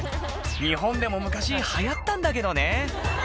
日本でも昔流行ったんだけどね